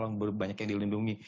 tolong banyaknya yang dilindungi